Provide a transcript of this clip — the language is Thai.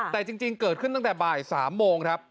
แต่จริงเกิดขึ้นตั้งแต่บ่าย๓โมงครับ